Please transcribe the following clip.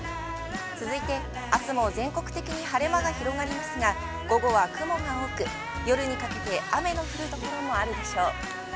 続いて、あすも全国的に晴れ間が広がりますが、午後は雲が多く、夜にかけて雨の降る所もあるでしょう。